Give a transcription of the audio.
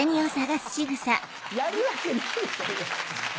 やるわけない。